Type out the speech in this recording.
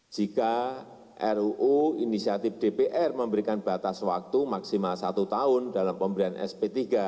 jika ruu inisiatif dpr memberikan batas waktu maksimal satu tahun dalam pemberian sp tiga